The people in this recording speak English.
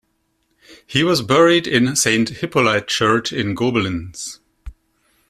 He was buried in the Saint Hippolyte church in Gobelins.